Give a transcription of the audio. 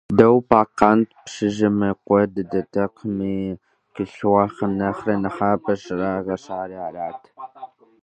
Дау Пакъ къант, пщыжьым и къуэ дыдэтэкъыми, къилъхуахэм нэхърэ нэхъапэ щӏрагъэщари арат.